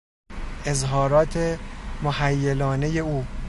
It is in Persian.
اظهارات محیلانهی او